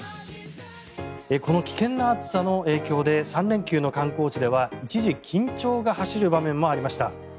この危険な暑さの影響で３連休の観光地では一時緊張が走る場面もありました。